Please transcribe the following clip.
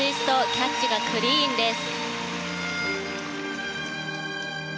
キャッチがクリーンです。